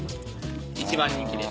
一番人気です。